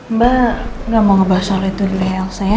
mbak gak mau ngebahas soal itu dulu ya elsa ya